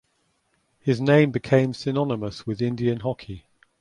His name become synonymous with Indian hockey.